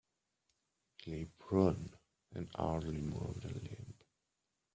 He lay prone and hardly moved a limb.